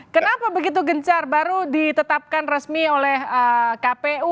kenapa begitu gencar baru ditetapkan resmi oleh kpu